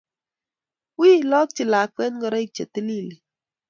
Wi ilokchi lakwet ngoroik che tililen.